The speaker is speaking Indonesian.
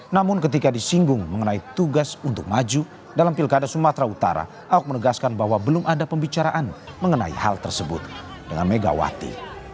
namun ketika disinggung mengenai tugas untuk maju dalam pilkada sumatera utara ahok menegaskan bahwa belum ada pembicaraan mengenai hal tersebut dengan megawati